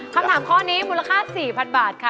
คำถามข้อนี้มูลค่า๔๐๐๐บาทค่ะ